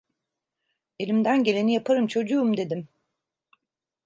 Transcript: Elimden geleni yaparım çocuğum! dedim.